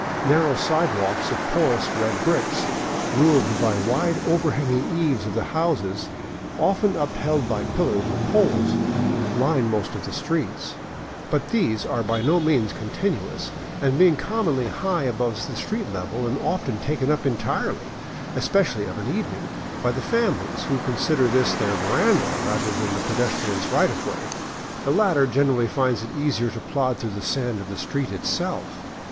Narrow sidewalks of porous red bricks, roofed by the wide overhanging eaves of the houses, often upheld by pillars or poles, line most of the streets. But these are by no means continu 543 VAGABONDING DOWN THE ANDES ous, and being commonly high above the street level and often taken up entirely, especially of an evening, by the families, who consider this their veranda rather than the pedestrian's right of way, the latter generally finds it easier to plod through the sand of the street itself.